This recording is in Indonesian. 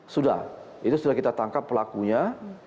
sudah itu sudah kita tangkap pelakunya